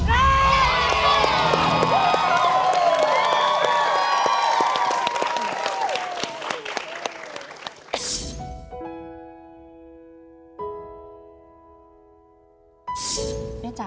ถูก